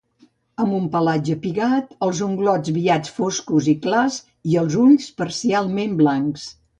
Amb un pelatge pigat, els unglots viats foscos i clars i els ulls parcialment blancs.